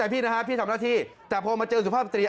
พี่ทำหน้าที่แต่พอมาเจอสุภาพสตรี